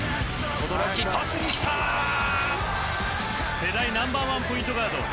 世代ナンバー１ポイントガード